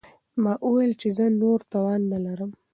ما وویل چې زه نور توان نه لرم.